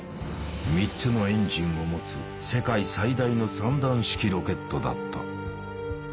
３つのエンジンを持つ世界最大の三段式ロケットだった。